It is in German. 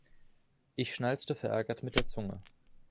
Ich schnalzte verärgert mit der Zunge.